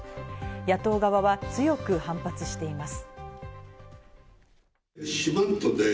野党側は強く反発しています。